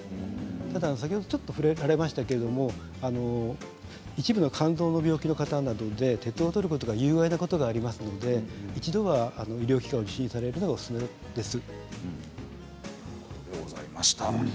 ただ先ほどちょっと触れられましたが一部の肝臓の病気の方などで鉄をとることが有害なことがありますので一度は医療機関を受診されるのがおすすめです。